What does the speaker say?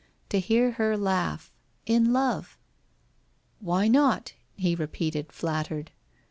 To hear her laugh — in love !* Why not? ' he repeated, flattered.